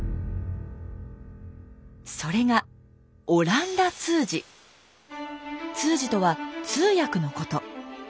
それが「通詞」とは通訳のこと。